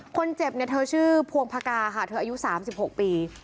คนเจ็บเธอชื่อพวงพากาอายุ๓๖ปี